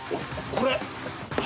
これ。